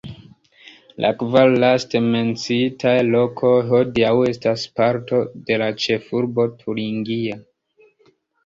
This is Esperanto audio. La kvar laste menciitaj lokoj hodiaŭ estas parto de la ĉefurbo turingia.